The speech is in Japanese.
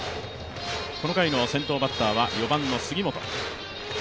この回の先頭バッターは４番の杉本。